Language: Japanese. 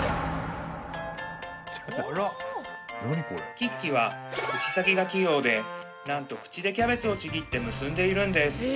キッキは口先が器用でなんと口でキャベツをちぎって結んでいるんです